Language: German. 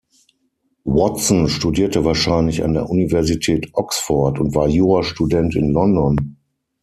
Watson studierte wahrscheinlich an der Universität Oxford und war Jurastudent in London.